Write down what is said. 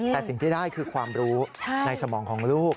แต่สิ่งที่ได้คือความรู้ในสมองของลูก